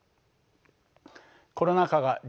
コロナ禍がＤＸ